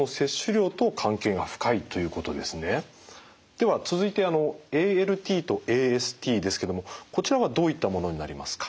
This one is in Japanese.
では続いてＡＬＴとＡＳＴですけどもこちらはどういったものになりますか？